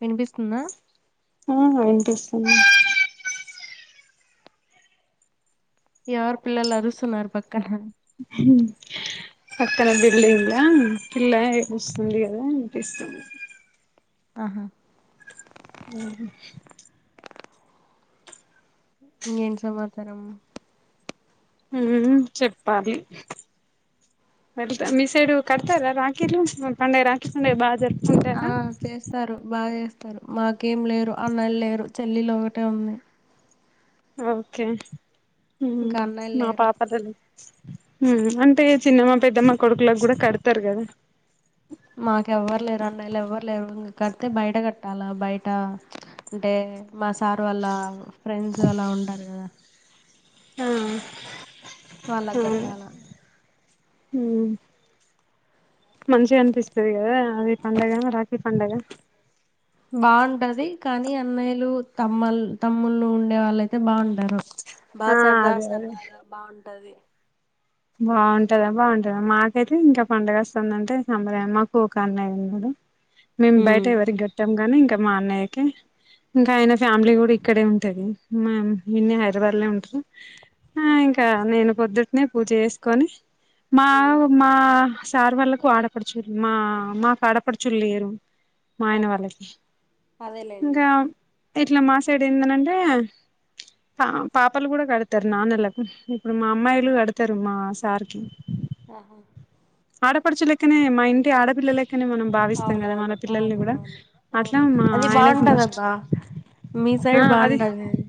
వినిపిస్తుందా ఆ వినిపిస్తుంది ఎవరు పిల్లలు అరుస్తున్నారు పక్కన హా పక్కన బిల్డింగ్ ల పిల్ల ఏడుస్తుంది కదా వినిపిస్తుంది ఆహా ఆ ఇంకేంటి సమాచారం మ్ చెప్పాలి వెళ్తా మిసైడు కడతర రాకీలు పండే రాఖి పండగ రాఖీ పండగ బా జరుపుకుంటారా ఆ చేస్త చేస్తారు బాగ చేస్తారు మాకేం లేరు అన్నయళ్లు లేరు చెల్లెలు ఒకటే ఉంది ఓకే ఉం ఇంకా అన్నయ్యలు మా లేరు పాపదలు మ్ అంటే చిన్నమ్మ పెద్దమ్మ కొడుకులకి కూడా కడతరు కదా మాక్ ఎవ్వరు లేరు అన్నయ్యలు ఎవ్వరు లేరు ఇంకా కడితే బయట కట్టాలా బయట అంటే మా సార్ వాళ్ళ ఫ్రెండ్స్ అలా ఉంటారు కదా మ్ వాళ్ళకు కట్టాల ఉం మంచిగ అనిపిస్తది కదా అది పండగ రాఖీ పండగ బాగుంటది కానీ అన్నయ్యలు తమ్మల్ తమ్ముళ్లు ఉండే వాళ్ళయితే బాగుంటారు బా ఆ సరదా అదే అదే సరదాగా బాగుంటది బాగుంటదా బాగుంటదా మాకైతే ఇంకా పండగస్తాందంటే సంబరం మాకు ఒక అన్నయ్య ఉన్నడు మేము బయట ఉమ్ ఎవరి గట్టం కానీ ఇంకా మా అన్నయ్యకె ఇంకా ఆయన ఫ్యామిలీ కూడా ఇక్కడే ఉంటది మా ఈన్నే హైదరాబాద్లనే ఉంటరు ఆ ఇంకా నేను పొద్దుట్నే పూజ చేసుకొని మా ఉమ్ మా సార్ వాళ్ళ ఆడపడుచులు మా మాకు ఆడపడుచుల్ లేరు మాయన ఆహా వాళ్ళకి అదేలేండి ఇంకా ఎట్ల మా సైడ్ ఏందనంటే పా పాపలు కూడ కడతరు నాన్నలకు ఇప్పుడు మా అమ్మాయిలు కడుత తరు మా సార్కి ఆహా ఆడపడుచులెక్కనే మా ఇంటి ఆడపిల్లలెక్కనే మనం భావిస్తాం కదా మన అవునవును పిల్లల్ని అవును కూడా అవును అట్లా అవును మా అది ఆయనకు ఫస్ట్ బాగుంటదబ్బా మీ సైడ్ బాగుంటది అది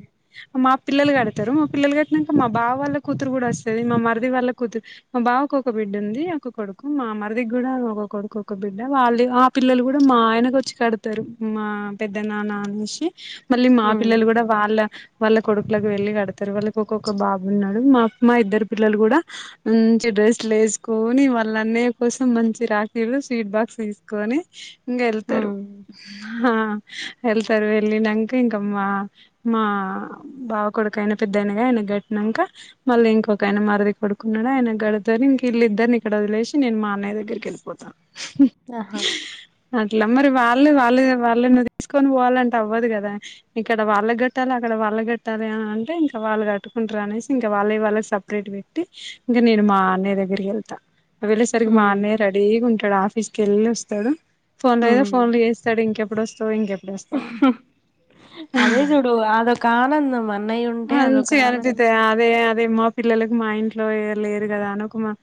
మా పిల్లలు కడతరు మా పిల్లలు కట్టిణంక మా బావాళ్ళ కూతురు కూడ అస్తది మా మరిది వాళ్ళ కూతురు మా బావకొక బిడ్డుంది ఒక కొడుకు మా మరిధిక్కూడ ఒక కొడుకు ఒక బిడ్డ వాల్లిగ పిల్లలు కూడ మా ఆయనకు వచ్చి కడతరు మా పెద్ద నాన్న అనేషి మళ్ళీ మా ఉమ్ పిల్లలు కూడా వాళ్ళ వాళ్ళ కొడుకులకి వెళ్ళి కడతరు వాళ్ళకి ఒక్కొక్క బాబు ఉన్నాడు మా మా ఇద్దరు పిల్లలు కూడా మంచి డ్రెస్లేస్కోని వాళ్ళ అన్నయ్య కోసం మంచి రాఖీలు స్వీట్ బాక్స్ తీసుకోని ఇంగ ఎళ్తరు ఉమ్ ఆ ఎళ్తరు వెళ్ళినంక ఇంకమ్మా మా బావ కొడుకయినె పెద్దయిన ఆయనకు గట్టినంక మళ్ళ ఇంకొక ఆయనె మరిది కొడుకున్నడు ఆయన గడతది ఇంక ఇల్లిద్దరిని ఇక్కడ వదిలేషి నేను మా అన్నయ దగ్గరికి ఎల్పోత ఆహా హుహా అట్ల మరి వాళ్ళు వాళ్ళ వాళ్ళని తీసుకొని పోవాలంటే అవ్వదు కదా ఇక్కడ వాళ్ళకి కట్టాలి అక్కడ వాళ్ళకి కట్టాలి అని అంటే ఇంకా వాళ్ళు కట్టుకుంటర అనేసి ఇం వాళ్ళయి వాళ్ళకి సపరేట్ పెట్టి ఇంకా నేను మా అన్నయ్య దగ్గరికి వెళ్తా వెళ్ళసరికి మా ఉమ్ అన్నయ్య రడి రెడీగా ఉంటడు ఆఫీస్కి వెళ్లి వస్తడు ఫోన్ల మీద ఉమ్ ఫోన్లు చేస్తడు ఇంకెప్పుడు వస్తవు ఇంకెప్పు హుహు అదే చూడు అదొక ఆనందం మన అన్నయ్య ఉంటే అదొక మంచిగా అనిపితది ఆనందం అదే అదే మా పిల్లలలకు మా ఇంట్లో ఎవరు లేరు కదా అని మా ఒక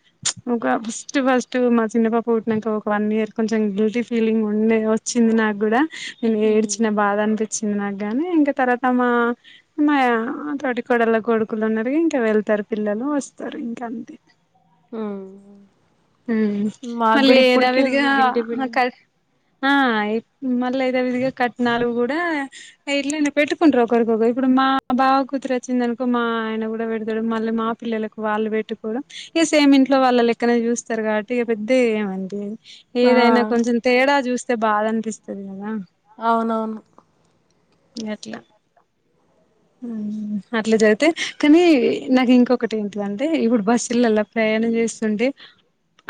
ఇంకా ఫస్ట్ ఫస్ట్ మా చిన్న పాప పుట్టినంక ఒక వన్ ఇయర్ కొంచెం గిల్టీ ఫీలింగ్ ఉండేను వచ్చింది నాకు కూడా నేను ఉమ్ ఏడ్చిన బాధ అనిపించింది నాకు గానీ ఇంకా తర్వాత మా మా తోటి కొడల్ల కొడుకులు ఉన్నరు ఇంకా వెళ్తరు పిల్లలు వస్తరు ఇంకా అంతే ఉ ఉ మళ్ళీ ఏదావిధగా ఉంది గిల్టీ అక ఫీలింగ్ ఆ ఇ మళ్ళ యద విధిగా కట్నాలు కూడా ఇట్లలనే పెట్టుకుంటరు ఒకరికొకరు ఇప్పుడు మా బావ కూతురు వచ్చిందనుకో మా ఆయన కూడా పెడతడు మళ్ళ మా పిల్లలకు వాళ్ళు పెట్టుకోవడం ఈగ సేమ్ ఇంట్లో వాళ్ళ లెక్కనే చూస్త స్తారు కాబట్టి ఇగ పెద్దగ ఏమ్ అనిపియ్యది ఆ ఏదైనా కొంచం తేడా చూస్తే బాధ అనిపిస్తది కదా అవునవును అట్లా ఉ అట్ల జరిగితే కానీ నాకు ఇంకొకటి ఏంటిదంటే ఇప్పుడు బస్సుల్లల్ల ప్రయాణం చేస్తుంటే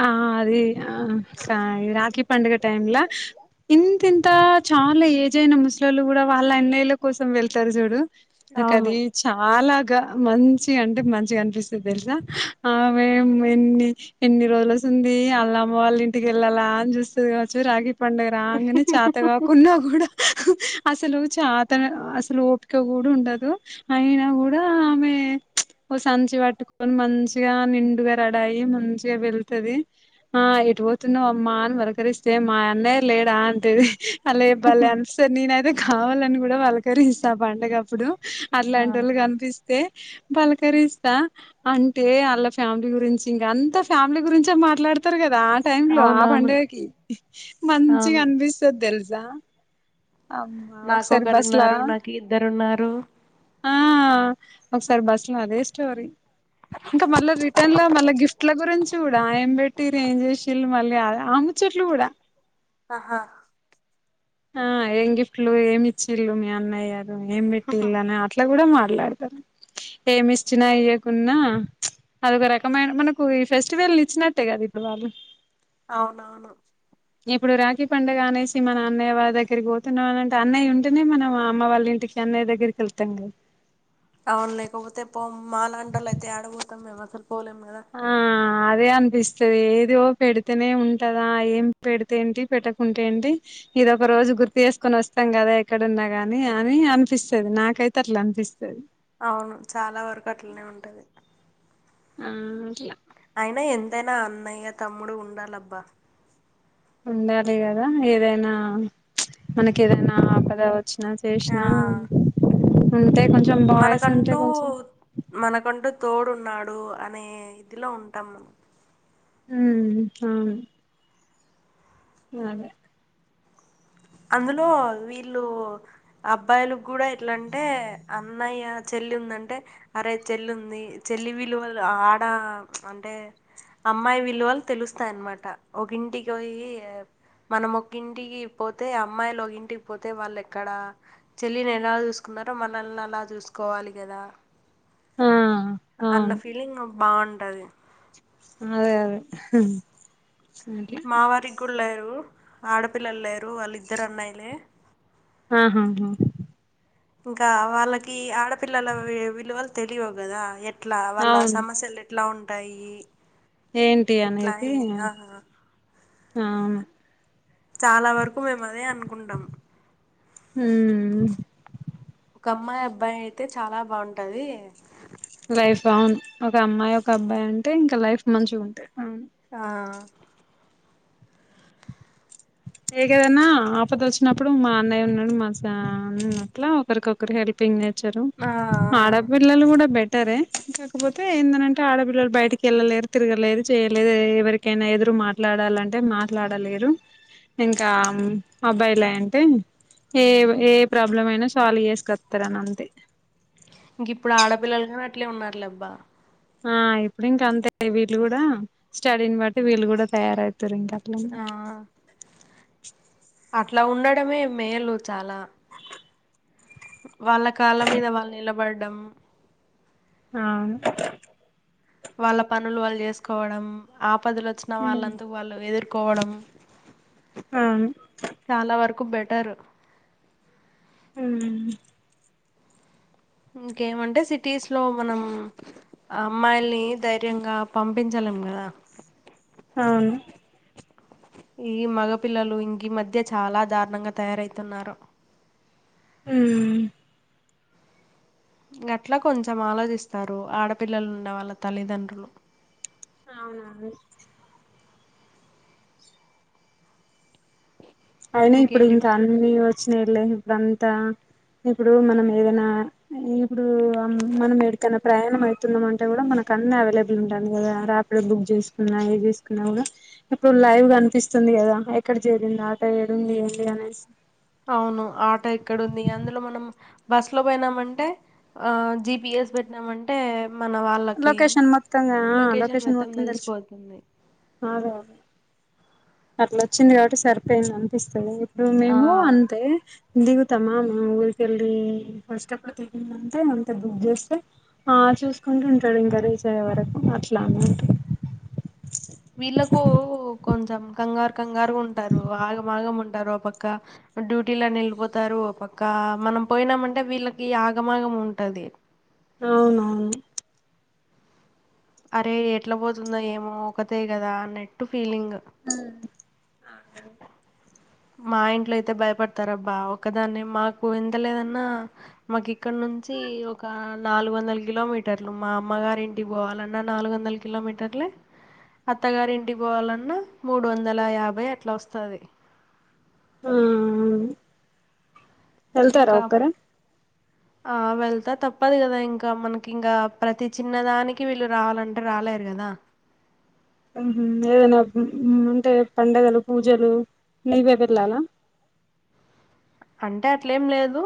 ఆ అరే ఆ ఇంకా రాఖీ పండుగ టైమ్లా ఇంతింత ఇంత చాలా ఏజైనా ముస్లోల్లు కూడా వాళ్ళ అన్నయ్యలా కోసం వెళ్తారు చూడు నాక అది అవును ఎంత చాలాగా మంచి అంటే మంచిగా అనిపిస్తది తెలుసా ఆమె ఎన్ని ఎన్ని రోజులసుంది ఆల్లమ్మ వాళ్ళ ఇంటికి వెళ్ళాలా అని చూస్తది కావచ్చు రాఖీ పండుగ రాగనే చతగాకున్నా కూడా అసలు చాతన అసలు ఓపిక కు ఉండదు అయినా కూడా ఆమె ఓ సంచి పట్టుకోని మంచిగా గా నిండుగ రెడి అయి మంచిగ వెళ్తది ఆ ఎటు పోతున్నావ్ అమ్మా అని పలకరిస్తే మా అన్నయ్య లేడా అంటది అల్లు బలే అనిపిస్తది నేనయితే కావాలని కూడా పలకరిస్తా పండగప్పుడు ఆ అట్లాంటి ఒళ్ళు కనిపిస్తే పలకరిస్తా అంటే ఆళ్ల ఫ్యామిలీ గురించి ఇంగ అంత ఫ్యామిలీ గురించే మాట్లాడుతరు కదా టైమ్ లో ఆ అవునవును పండగకి మంచిగ అవును అనిపిస్త చ తెలుసా అమ్మా ఒకసారి బస్లా నాకొకరున్నారు నాకు ఇద్దరున్నారు ఆ ఒకసారి బస్ ల అదే స్టోరి ఇంకా మళ్ళా రిటర్న్ లో మళ్ళా గిఫ్ట్ల గురించి కూడా ఏం పెట్టిర్రు ఏం చేసిుర్రు మళ్ళీ ఆముచ్చట్లు కూడా ఆహా ఆ ఏం గిఫ్ట్లు ఏమి ఇచ్చిల్లు మీ అన్నయ్యలు ఏం పెట్టిళ్ళు అట్ల కూడా మాట్లాడతరు ఏమి ఇచ్చిన ఇయ్యకున్న అదొక రకమైన మనకు ఈ ఫెస్టివల్ ఇచ్చినట్టే కదా ఇప్పుడు వాళ్ళు అవునవును ఇప్పుడు రాఖీ పండుగ అనేసి మన అన్నయ్య వారి దగ్గకి పోతున్నాం అంటే అన్నయ్య ఉంటేనే మనం అమ్మ వాళ్ళ ఇంటికి అన్నయ దగ్గరికి వెళ్తాం కదా అవును లేకపోతే పో మాలంటోలు అయితే ఆడపోతరు మేము అసలుపోలేం కదా ఆ అదే అనిపిస్తుద ఏదో పెడితేనే ఉంటదా ఏం పెడితే ఏంటి పెట్టకుంటే ఏంటి ఇదిొ ఒక రోజు గుర్తు చేసుకొని వస్తాం కదా ఎక్కడన్నా గాని అని అనిపిస్తుది నాకైతే అట్లా అనిపిస్తుది అవును చాలా వరకు అట్లనే ఉంటది ఆ అట్లా అయినా ఎంతైనా అన్నయ్య తమ్ముడు ఉండాలబ్బా ఉండాలి కదా ఏదైనా మనకి ఏదైనా ఆపదవ వచ్చిన ఆ చేసినా ఉంటే కొంచెం బాయస్ ఉంటే మనకంటూ కొంచెం మనకంటూ తోడున్నాడు అనే ఇదిలో ఉంటాం మనం హ్మ్ అవును అే అందులో వీళ్ళు అబ్బాయిలు కూడా ఎట్లంటే అన్న న్నయ్య చెల్లి ఉందంటే అరే చెల్లి ఉంది చెల్లి వీలువల్ల ఆడ అంటే అమ్మాయి విలువలు తెలుస్తాయిన్నమాట ఒకంటికియ మనం ఒకంటికి పోతే అమ్మాయిలు ఒక ఇంటికి పోతే వాళ్ళు ఎక్కడ చెల్లిని ఎలా చూసుకున్నారో మనల్ని అలా చూసుకోవాలి కదా ఆ అన్న అవును ఫీలింగ్ బాగుంటది అదే అదే మా వారికి కూడా లేరు ఆడపిల్లలు లేరు వాళ్ళ ఇద్దరు అన్నాయిలే ఆహా హా ఇంకా వాళ్ళకి ఆడపిల్లల విలువలు తెలియవు కదా ఎట్లా వాళ్ళ అవును సమస్యలు ఎట్లా ఉంటాయి ఏంటి ఎట్లా అనేది ఏం ఆహా ఆ చాలా వరకు మేము అదే అనుకుంటాం హ్మ్ ఒక అమ్మాయి అబ్బాయి అయితే చాలా బాగుంటది లైఫ్లాంగ్ ఒక అమ్మాయి ఒక అబ్బాయి ఉంటే ఇంకా లైఫ్ మంచిగా ఉంటాయి మ్మ్ ఆ ఏదేమైనా ఆపద వచ్చినప్పుడు మా అన్నయ్య ఉన్నాడు మనసులో ఉన్నట్ల ఒకరికొకరు హెల్పింగ్ నేచరు ఆ ఆ! ఆడపిల్లలు కూడా బెట్ బెటరే కాకపోతే ఏందనంటే ఆడపిల్లలు బయటికి వెళ్ళలేరు తిరగలేదు చేయలేరు ఎవరికి ఎకైనా ఎదురు మాట్లాడాలంటే మాట్లాడలేరు ఇంకా అబ్బాయిలియె అంటే ఏవ్ ఏ ప్రాబ్లమ్ అయినా సాల్వ్ చేసుత్తరని అంతే ఇంగిప్పుడు ఆడపిల్లలు గాని అట్లే ఉన్నారులేబ్బా ఆ ఇప్పుడు ఇంకంతే వీళ్ళు కూడా స్టడీని బట్టి వీళ్ళు కూడా తయారవు తరు ఇంకట్లనే ఆ అట్లా ఉండడమే మేలు చాలా వాళ్ళ కాళ్ళ మీద వాళ్ళు నిలబడ్డం ఆ వాళ్ళ పనులు వాళ్ళు చేసుకోవడం ఆపదలు వచ్చిన వాళ్ళంతకు వాళ్ళు ఎదుర్కోవడం అవును చాలా వరకు బెటరు మ్మ్ ఇంకేమంటే సిటీస్ లో మనం అమ్మాయిల్ని ధైర్యంగా పంపించలేం కదా అవును ఈ మగపిల్లలు ఇంగ ఈ మధ్య చాలా దారుణంగా తయారైతున్నారు మ్మ్ ఇంగట్లా కొంచెం ఆలోచిస్తారు ఆడపిల్లలు వున్నవాళ్ళ తల్లిదండ్రులు అవునవును అయినా ఇప్పుడు ఇంకేంటి ఇంకా అన్ని వచ్చినాయిలె ఇప్పుడంతా ఇప్పుడు మనం ఏదైనా ఇప్పుడు మనం ఎడికైనా ప్రయాణం అయితున్నాం అంటే కూడా మనకు అన్ని అవైలబుల్ ఉంటాయి కదా రా డ బుక్ చేసుకున్నా ఏది చేసుకున్నా కూడా ఇప్పుడు లైవ్ గనిపిస్తుంది కదా ఎక్కడ చేరింద ఏడుంది ఏంటి అనేసి అవును ఆటో ఎక్కడుంది అందులో మనం బస్ లో పోయినామంటే ఆ జి. పి. ఎస్ పెట్టనామంటే మన వాళ్ళకి లొకేషన్ మొత్తంగా లొకేషన్ మొత్తం తెలిసిపోతుంది ఆదో అట్లోచ్చింది కాబట్టి సరిపోయింది అనిపిస్తుంది ఇప్పుడు ఆ మేము అంతే దిగుతామా ఊరికెళ్ళి ఫస్ట్ అప్పుడు దిగినంకా మంతే బుక్ చేస్తే ఆ చూసుకుంటాడు ఇంకా రీచ్ అయ్యే వరకు అట్లా వీళ్ళకు కొంచెం కంగారు కంగారు ఉంటారు ఆగమాగం ఉంటారు ఓ పక్క డ్యూటీలని వెళ్ళిపోతారు పక్క మనం పోయినామంటే వీళ్ళకి ఆగమాగం ఉంటాది అవునవును అరే ఎట్ల పోతుంధో ఏమో ఒకతే కదా అన్నట్టు ఫీలింగ్ మ్మ్ మా ఇంట్లో అయితే భయపడతారబ్బా ఒకదాన్నే మాకు ఎంతలేదన్నా మాకు ఇక్కడ నుంచి ఒక నాలుగు వందల కిలోమీటర్లు మా అమ్మగారి ఇంటికి పోవాలన్నా నాలుగు వందల కిలోమీటర్లే అత్తగారి ఇంటికి పోవాలన్నా మూడు వందల యాభై అట్లా వస్తది ఉమ్ ఉ ఇంకా ఆ వెళ్తా తప్పదు కదా ఇంకా మనకి ఇంకా ప్రతి చిన్నదానికి వీళ్ళు రావాలంటే రాలేరు కదా ఉహు ఏదైనా ఉ ఉంటే పండగలు పూజలు నీవే వెళ్ళాలా అంటే అట్లేం లేదు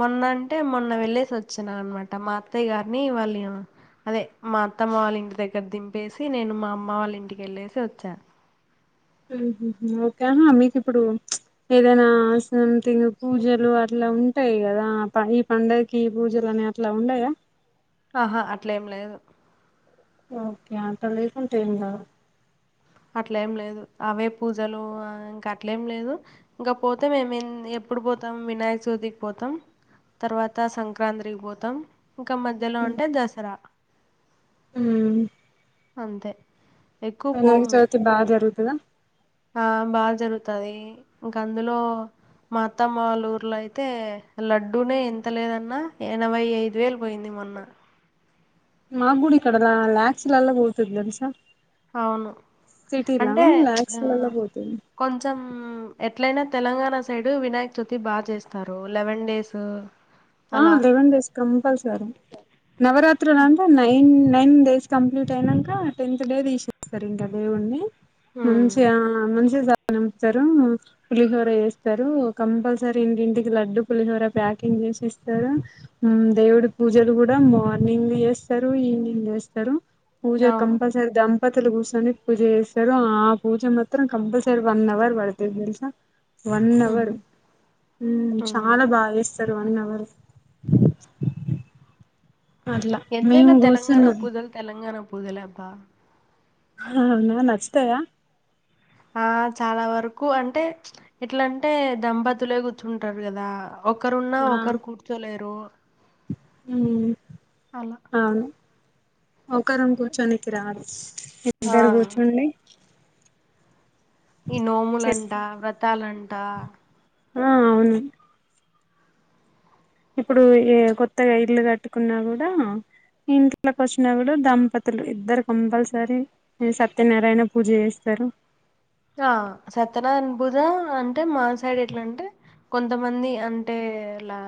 మొన్న అంటే మొన్న వెళ్లేేసి వచ్చినా అనమాట మా అత్తయ్య గారిని వాళ్ళ అదే మా అత్తమ్మ వాళ్ళ ఇంటి దగ్గర దింపేసి నేను మా అమ్మ వాళ్ళ ఇంటికేళ్ళేసి వచ్చా ఉహు ఓకే ఆహా మీకు ఇప్పుడు ప్చ్ ఏదైనా సంథింగ్ పూజలు అట్లా ఉంటాయి కదా ఈ పండగకి పూజలు అనే ఇట్లా ఉండయా ఆహా అట్లే ఏం లేదు ఓకే అంత లేకుంటే ఏం కాదు అట్లేం లేదు అవే పూజలు ఇంకా అట్లేం లేదు ఇంగ పోతే మేము ఎన్ ఎప్పుడు పోతాం వినాయక చవితికి పోతాం తర్వాత సంక్రాంతి పోతాం ఇంకా మధ్యలో అంటే దసరా ఉ అంతే ఎక్కువ వినాయక పోము చవితి బాగా జరుగుతదా ఆ బాగా జరుగుతది ఇంకా అందులో మా అత్తమ్మ వాళ్ళ ఊర్లో అయితే లడ్డూనే ఎంత లేదన్నా ఎనభై ఐదు వేలు పోయింది మొన్న మా కూడా ఇక్కడ లా ల్యాక్స్ లాల్లో పోతాది తెలుసా అవును సిటీలా అంటే లాక్స్ ఆ లల్లో పోతుం కొంచెం ఎట్లయినా తెలంగాణ సైడ్ వినాయక్ చవితి బాగా చేస్తారు లెవెన్ డేస్ ఆ అలా లెవెన్ డేస్ కంపల్సరీ నావరాత్రులు అంటే నైన్ నైన్ డేస్ కంప్లీట్ అయినంక టెన్త్ డే తీసిం సరే ఇంకా దేవుణ్ణి ఉమ్ మంచిగా మంచిగా సాగానంపుతారు పులిహోర చేస్తారు కంపల్సరీ ఇంటింటికి లడ్డు పులిహోర ప్యాకింగ్ చేసిస్త తారు దేవుడి పూజలు కూడా మార్నింగ్ చేస్తారు ఈవినింగ్ చేస్తారు పూజ అవును కంపల్ దంపతులు కూర్చొని పూజ చేస్తారో ఆ పూజ మాత్రం కంపల్సరీ వన్ అవర్ పడుతది తెలుసా వన్ ఉహు అవర్ ఉ ఉమ్ చాలా బాగా చేస్తారు వన్ అవర్ అట్లా మేము ఎంతైనా తెలంగాణ కూర్చున్నాం పూజలు తెలంగాణ పూజలే అబ్బా హ హ నచ్చుతాయ ఆ చాలా వరకు అంటే ఎట్లా అంటే దంపతులే కూర్చుంటారు కదా ఒకరున్నా ఒకరు కూర్చోలేరు ఉ అలా అవును ఒకరు కూర్చొనినికి రాదు ఆ ఇద్దరు కూర్చొని ఈ నోములు చేస్త అంట వ్రతాలు అంట ఆ అవును ఇప్పుడు ఏ కొత్తగా ఇల్లు కట్టుకున్నా కూడా ఇంట్లోకి వచ్చినప్పుడు దంపతులు ఇద్దరు కంపల్సరీ. సత్యనారాయణ పూజ చేస్తారు. ఆ సత్యనారాయణ పూజ అంటే మాసైడ్ ఎట్లా అంటే. కొంతమంది అంటే లా.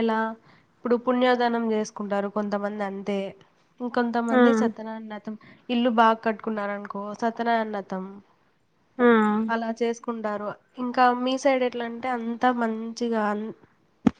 ఎలా ఇప్పుడు పుణ్యదానం చేసుకుంటారు కొంతమంది అంతే. ఇం ఆ కొంతమంది సత్యనయన్నతం ఇల్లు బాగా కట్టుకున్నారు అనుకో సత్యనయన్నతం. ఆ అలా చేసుకుంటారు. ఇంకా మీ సైడ్ ఎట్లా అంటే అంతా మంచిగా అ.